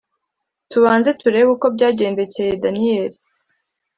tubanze turebe uko byagendekeye daniyeli